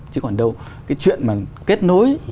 chứ còn đâu cái chuyện mà kết nối